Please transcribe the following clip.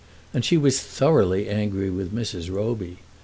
And she was thoroughly angry with Mrs. Roby.